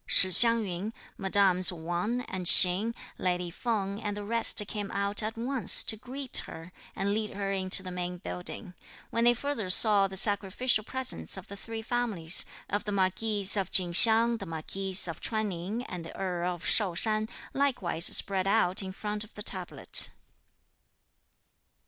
Shih Hsiang yun, mesdames Wang, and Hsing, lady Feng and the rest came out at once, to greet her, and lead her into the Main Building; when they further saw the sacrificial presents of the three families, of the marquis of Chin Hsiang, the marquis of Ch'uan Ning, and the earl of Shou Shan, likewise spread out in front of the tablet.